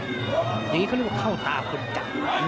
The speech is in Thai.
อย่างนี้เขาเรียกว่าเข้าตาคนจัด